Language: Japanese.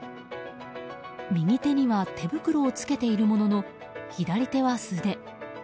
右手には手袋を着けているものの左手は素手。